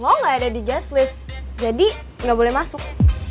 lo gak ada di guest list jadi gak boleh masuk